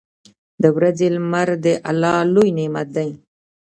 • د ورځې لمر د الله لوی نعمت دی.